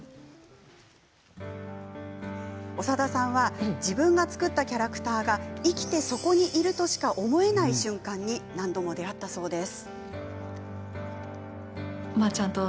長田さんは、自分が作ったキャラクターが生きてそこにいるとしか思えない瞬間に何度も出会ったそうです。